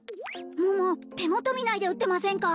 桃手元見ないで打ってませんか？